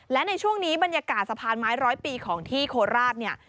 และในช่วงนี้บรรยากาศสะพานไม้ร้อยปีของที่โคราชเนี่ย